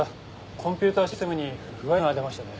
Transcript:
コンピューターシステムに不具合が出ましてね。